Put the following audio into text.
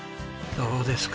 どうですか？